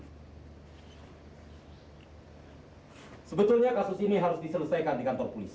hai sebetulnya kasus ini harus diselesaikan di kantor polisi